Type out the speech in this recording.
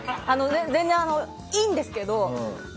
全然、いいんですけど。